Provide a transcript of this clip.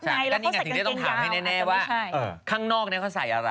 อันนี้อย่างที่ต้องถามให้แน่ว่าข้างนอกเขาใส่อะไร